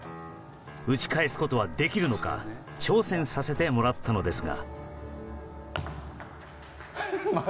打ち返すことはできるのか挑戦させてもらったのですが。